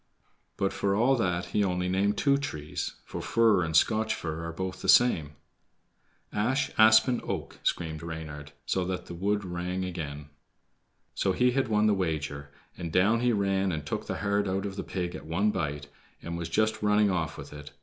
But for all that he only named two trees, for fir and Scotch fir are both the same. "Ash, Aspen, Oak," screamed Reynard, so that the wood rang again. So he had won the wager, and down he ran and took the heart out of the pig at one bite, and was just running off with it.